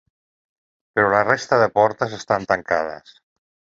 Però la resta de portes estan tancades.